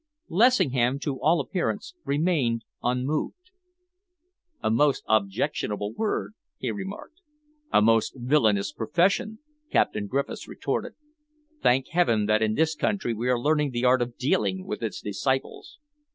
Lessingham to all appearance remained unmoved. "A most objectionable word," he remarked. "A most villainous profession," Captain Griffiths retorted. "Thank heaven that in this country we are learning the art of dealing with its disciples."